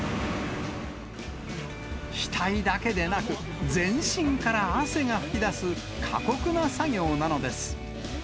額だけでなく、全身から汗が噴き出す過酷な作業なのです。